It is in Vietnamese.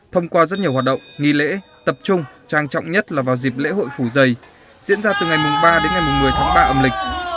thông qua rất nhiều hoạt động nghi lễ tập trung trang trọng nhất là vào dịp lễ hội phủ dây diễn ra từ ngày ba đến ngày một mươi tháng ba âm lịch